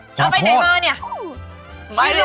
ขอโทษเอาไปไหนบ้างเนี่ย